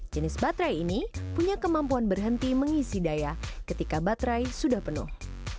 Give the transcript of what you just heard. jenis baterai ini punya kemampuan berhenti mengisi daya ketika baterai sudah penuh